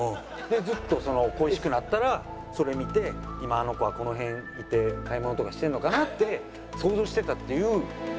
ずっと恋しくなったらそれを見て今あの子はこの辺いて買い物とかしてるのかなって想像してたっていうピュアな。